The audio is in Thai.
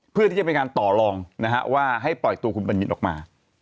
เพื่อมีการต่อลองนะฮะว่าให้ปล่อยตัวคุณบรรยินดร์ออกมา